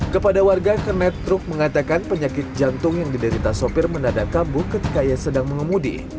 kepada warga kernet truk mengatakan penyakit jantung yang diderita sopir menada kambuh ketika ia sedang mengemudi